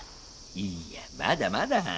いやまだまだ。